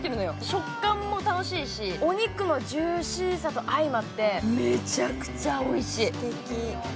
食感も楽しいし、お肉のジューシーさとあいまって、めちゃくちゃおいしい。